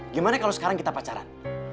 gimana kalau sekarang kita pacaran